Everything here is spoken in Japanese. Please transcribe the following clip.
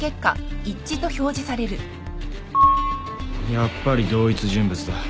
やっぱり同一人物だ。